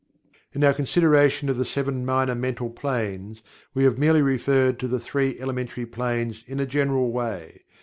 In our consideration of the Seven Minor Mental Planes, we have merely referred to the Three Elementary Planes in a general way.